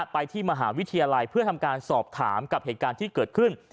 ไปที่มหาวิทยาลัยเพื่อทำการสอบถามกับเหตุการณ์ที่เกิดขึ้น